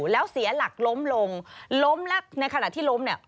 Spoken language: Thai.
แล้วเสียหลักล้มลงล้มแล้วในขณะที่ล้มเนี่ย